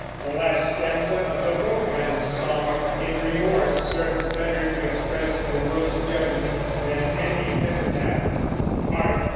The last stanza of the boatman's song, in Remorse, serves better to express the world's judgment than any epitaph: Hark!